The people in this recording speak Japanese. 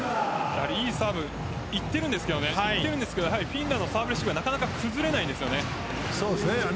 いいサーブいっているんですけどフィンランドのサーブレシーブがなかなか崩れないんですよね。